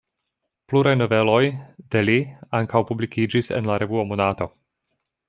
Pluraj noveloj de li ankaŭ publikiĝis en la revuo Monato.